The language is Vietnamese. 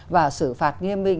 và xử phạt nghiêm minh